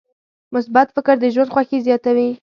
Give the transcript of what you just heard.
مثبت فکر د ژوند خوښي زیاتوي.